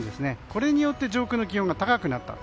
これによって上空の気温が高くなった。